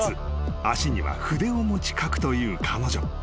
足には筆を持ち描くという彼女］